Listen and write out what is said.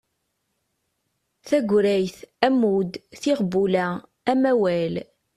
Tagrayt, ammud, tiɣbula, amawal